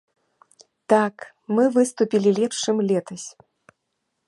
Так, мы выступілі лепш, чым летась.